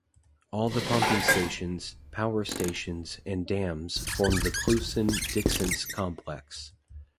All the pumping stations, power stations and dams form the Cleuson-Dixence Complex.